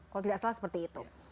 kalau tidak salah seperti itu